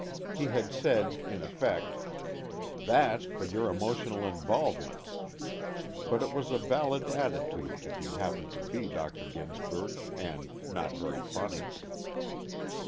He had said in effect: "That for your emotional involvements!" but it was a valid attitude if you happened to be Dr. Ginsberg, and not very funny.